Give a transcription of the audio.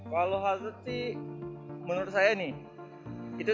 kalau hazard sih menurut saya itu tuh